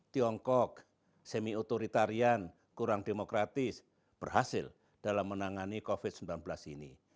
tiongkok semi otoritarian kurang demokratis berhasil dalam menangani covid sembilan belas ini